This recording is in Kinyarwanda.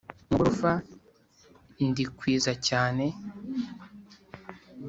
mu gufora ndikwiza cyane